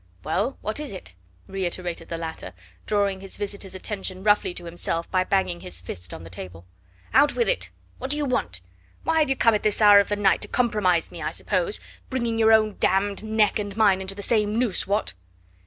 "Well, what is it?" reiterated the latter, drawing his visitor's attention roughly to himself by banging his fist on the table. "Out with it! What do you want? Why have you come at this hour of the night to compromise me, I suppose bring your own d d neck and mine into the same noose what?"